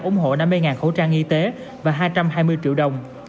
ủng hộ năm mươi khẩu trang y tế và hai trăm hai mươi triệu đồng